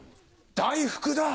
大福だ！